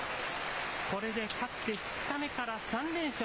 これで勝って２日目から３連勝。